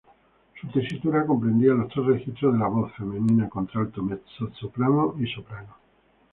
Su tesitura comprendía los tres registros de la voz femenina, contralto, mezzosoprano, y soprano.